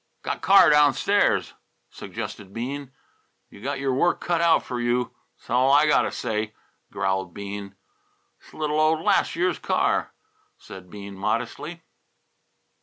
"Got car downstairs," suggested Bean. "You got your work cut out f'r you; 'sall I got t' say," growled Breede. "'S little old last year's car," said Bean modestly.